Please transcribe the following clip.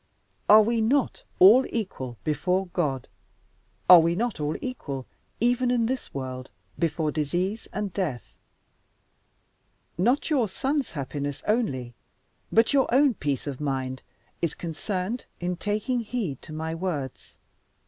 Are we not all equal before God? Are we not all equal (even in this world) before disease and death? Not your son's happiness only, but your own peace of mind, is concerned in taking heed to my words.